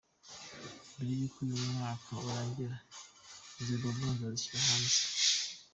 Mbere y’uko uyu mwaka urangira izo album nzazishyira hanze.